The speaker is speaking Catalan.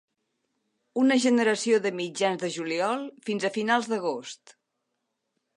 Una generació de mitjans de juliol fins a finals d'agost.